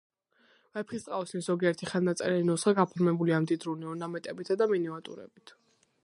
ვეფხისტყაოსნის ზოგიერთი ხელნაწერი ნუსხა გაფორმებულია მდიდრული ორნამენტებითა და მინიატიურებით.